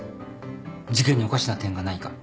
事件におかしな点がないか。